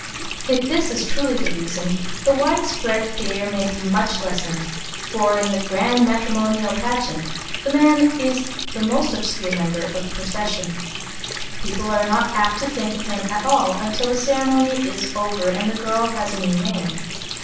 If this is truly the reason, the widespread fear may be much lessened, for in the grand matrimonial pageant, the man is the most obscure member of the procession. People are not apt to think of him at all until the ceremony is over and the girl has a new name.